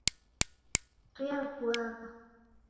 Riavuagha